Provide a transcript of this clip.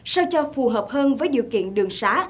sao cho phù hợp hơn với điều kiện đường xá